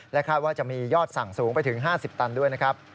และคาดว่าจะมียอดสั่งสูงไปถึง๕๐ตันด้วย